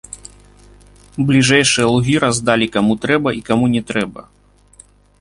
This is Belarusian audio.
Бліжэйшыя лугі раздалі каму трэба і каму не трэба.